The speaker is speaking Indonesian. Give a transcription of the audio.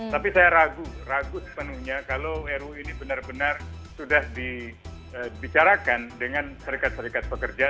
tapi saya ragu ragu sepenuhnya kalau ru ini benar benar sudah dibicarakan dengan serikat serikat pekerja